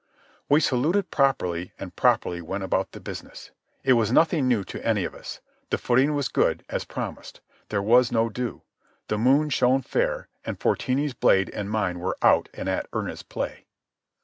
We saluted properly, and properly went about the business. It was nothing new to any of us. The footing was good, as promised. There was no dew. The moon shone fair, and Fortini's blade and mine were out and at earnest play.